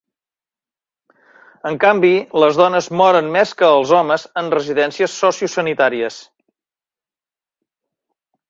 En canvi, les dones moren més que els homes en residències sociosanitàries.